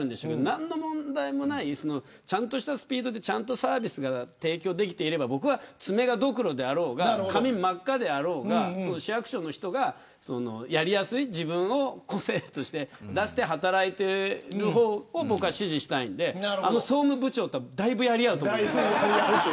何の問題もないちゃんとしたスピードでちゃんとサービスが提供できていれば僕は爪が、どくろであろうが髪が真っ赤であろうが市役所の人がやりやすい自分を個性として出して働いている方を僕は支持したいんであの総務部長とだいぶやり合うと思います。